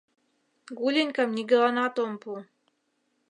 Гуленькам нигӧланат ом пу.